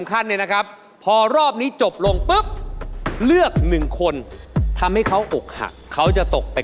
ขวัญลอกขวัญลอกกับไป